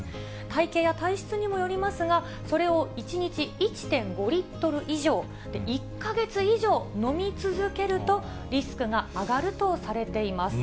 体型や体質にもよりますが、それを１日１．５リットル以上、１か月以上飲み続けると、リスクが上がるとされています。